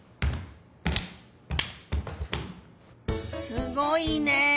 すごいね！